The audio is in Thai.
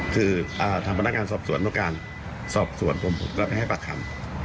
คือทำพลังงานสอบส่วนพการสอบส่วนผมก็ไปให้ปราคม